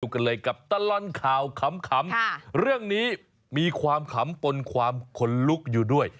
กันเลยกับตลอดข่าวขำเรื่องนี้มีความขำปนความขนลุกอยู่ด้วย